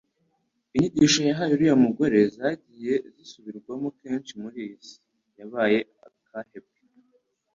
Inyigisho yahaye uriya mugore zagiye zisubirwamo kenshi muri iyi si yabaye akahebwe.